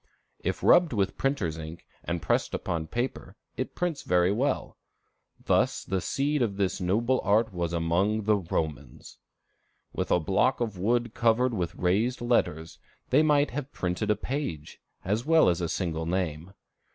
If rubbed with printer's ink and pressed upon paper, it prints very well. Thus the seed of this noble art was among the Romans. With a block of wood covered with raised letters, they might have printed a page, as well as a single name.